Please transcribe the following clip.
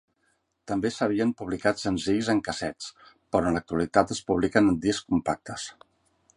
També s'havien publicat senzills en cassets, però en l'actualitat es publiquen en discs compactes.